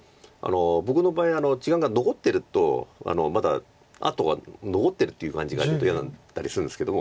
僕の場合時間が残ってるとまだ後が残ってるっていう感じがちょっと嫌だったりするんですけども。